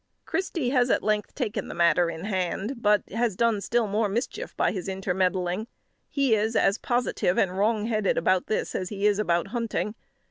Christy has at length taken the matter in hand, but has done still more mischief by his intermeddling. He is as positive and wrongheaded about this as he is about hunting.